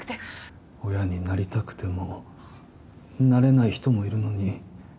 親になりたくてもなれない人もいるのに。